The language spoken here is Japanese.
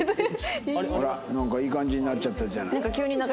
あらなんかいい感じになっちゃったじゃない。